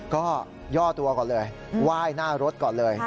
ก็ย่อตัวก่อนเลยไหว้หน้ารถก่อนเลย